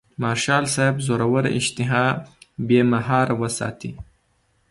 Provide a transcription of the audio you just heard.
مارشال صاحب زوروره اشتها بې مهاره وساتي.